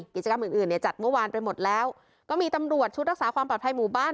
กิจกรรมอื่นอื่นเนี่ยจัดเมื่อวานไปหมดแล้วก็มีตำรวจชุดรักษาความปลอดภัยหมู่บ้าน